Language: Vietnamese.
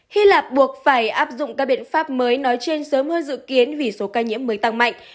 hy lạp buộc phải áp dụng các biện pháp mới nói trên sớm hơn dự kiến vì số ca nhiễm mới tăng mạnh